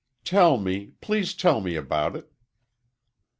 "Tell me please tell me about it."